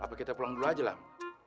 apa kita pulang dulu aja lah